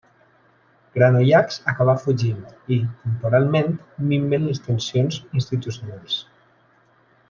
Granollacs acabà fugint i, temporalment, minven les tensions institucionals.